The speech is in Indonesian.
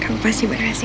kamu pasti berhasil